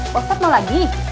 pokoknya mau lagi